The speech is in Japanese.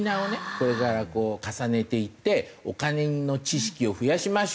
これから重ねていってお金の知識を増やしましょうって